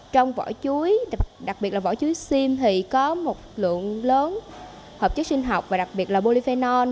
trong vỏ chuối đặc biệt là vỏ chuối xiêm thì có một lượng lớn hợp chất sinh học và đặc biệt là polypenol